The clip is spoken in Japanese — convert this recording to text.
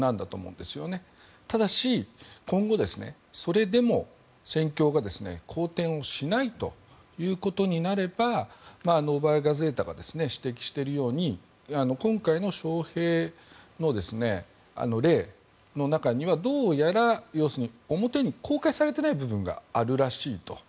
ただし、今後、それでも戦況が好転しないということになればガゼータが指摘しているように今回の招集の例の中にはどうやら表に公開されていない部分があるらしいと。